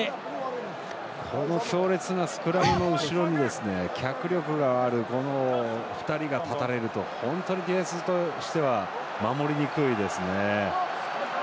この強烈なスクラムの後ろに脚力がある２人が立たれると、本当にディフェンスとしては守りにくいですね。